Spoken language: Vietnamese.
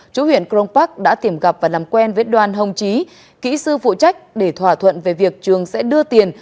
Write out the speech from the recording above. chủ huyện cron park đã tìm gặp và làm quen với đoàn hồng trí kỹ sư phụ trách để thỏa thuận về việc trường sẽ đưa tiền